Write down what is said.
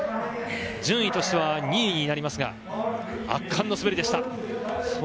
順位としては２位になりますが圧巻の滑りでした。